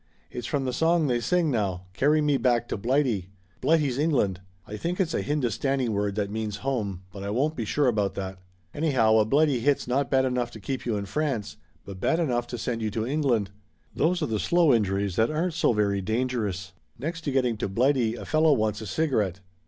It's from the song they sing now, 'Carry Me Back to Blighty.' Blighty's England. I think it's a Hindustani word that means home, but I won't be sure about that. Anyhow, a blighty hit's not bad enough to keep you in France, but bad enough to send you to England. Those are the slow injuries that aren't so very dangerous. "Next to getting to Blighty a fellow wants a cigarette.